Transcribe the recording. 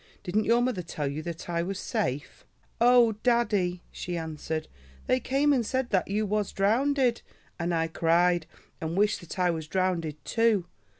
Didn't your mother tell you that I was safe?" "Oh! daddie," she answered, "they came and said that you was drownded, and I cried and wished that I was drownded too.